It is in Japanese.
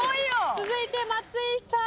続いて松井さん。